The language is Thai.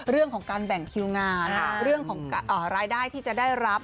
เรื่องของการแบ่งคิวงานเรื่องของรายได้ที่จะได้รับ